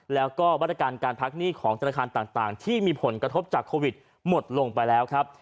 แล้วก็มาตรการการพักหนี้ของธนาคารต่างที่มีผลกระทบจากโควิดหมดลงไปแล้วครับ